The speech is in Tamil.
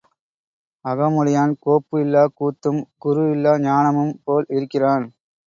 அகமுடையான் கோப்பு இல்லாக் கூத்தும் குரு இல்லா ஞானமும் போல் இருக்கிறான்.